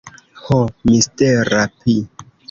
Ho, mistera pi!